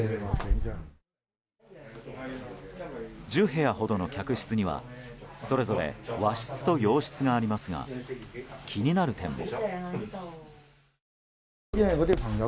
１０部屋ほどの客室にはそれぞれ和室と洋室がありますが気になる点も。